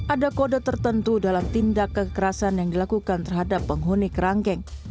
ada kode tertentu dalam tindak kekerasan yang dilakukan terhadap penghuni kerangkeng